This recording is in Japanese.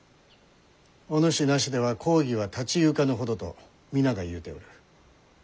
「お主なしでは公儀は立ち行かぬほど」と皆が言うておる。